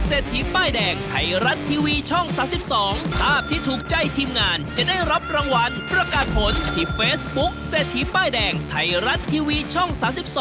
เซทีป้ายแดงไทยรัฐทีวีช่องซา๑๒